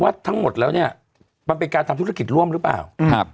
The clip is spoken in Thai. ทั้งหมดแล้วเนี่ยมันเป็นการทำธุรกิจร่วมหรือเปล่าครับ